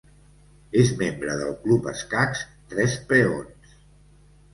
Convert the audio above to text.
És membre del Club Escacs Tres Peons.